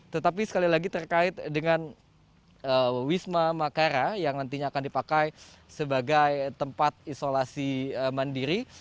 tetapi sekali lagi terkait dengan wisma makara yang nantinya akan dipakai sebagai tempat isolasi mandiri